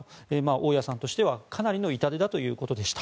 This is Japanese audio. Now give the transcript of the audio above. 大家さんとしてはかなりの痛手だということでした。